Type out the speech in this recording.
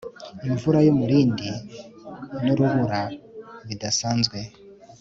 imvura y'umurindi n'urubura bidasanzwe